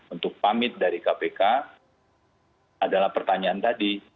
untuk pamit dari kpk adalah pertanyaan tadi